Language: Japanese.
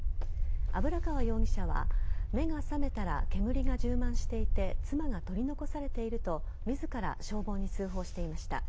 油川容疑者は目が覚めたら煙が充満していて妻が取り残されていると自ら消防に通報していました。